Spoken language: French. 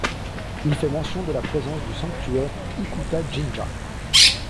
Il fait mention de la présence du sanctuaire Ikuta-jinja.